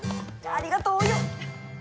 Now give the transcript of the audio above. ありがとうお葉！